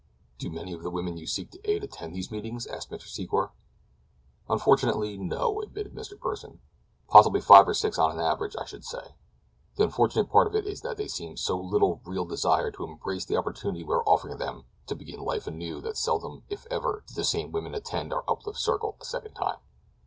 "Do many of the women you seek to aid attend these meetings?" asked Mr. Secor. "Unfortunately, no," admitted Mr. Pursen; "possibly five or six, on an average, I should say. The unfortunate part of it is that they seem to have so little real desire to embrace the opportunity we are offering them to begin life anew that seldom if ever do the same women attend our Uplift Circle a second time.